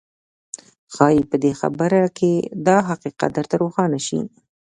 ښايي په دې خبره کې دا حقيقت درته روښانه شي.